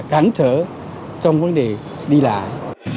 cáng trở trong vấn đề đi lại